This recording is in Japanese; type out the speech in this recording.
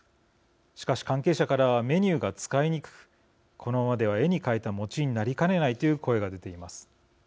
しかし、関係者からはメニューが使いにくくこのままでは絵に描いた餅になりかねないという声が出ています。